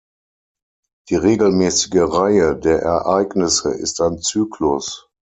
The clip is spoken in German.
Die regelmäßige Reihe der Ereignisse ist ein Zyklus.